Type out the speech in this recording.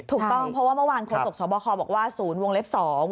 ถูกต้องเพราะว่าเมื่อวานโฆษกสบคบอกว่าศูนย์วงเล็บ๒